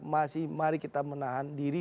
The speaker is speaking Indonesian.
mari kita menahan diri